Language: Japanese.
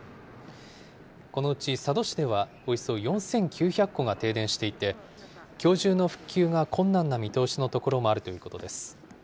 このうち佐渡市ではおよそ４９００戸が停電していて、きょう中の復旧が困難な見通しの所もあるということです。